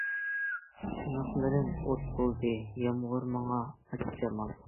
تىنىقلىرىم ئوت بولدى، يامغۇر ماڭا ئاچ جامال.